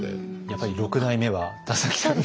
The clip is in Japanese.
やっぱり六代目は田崎さん。